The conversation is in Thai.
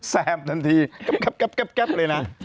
แซมทันทีกับเลย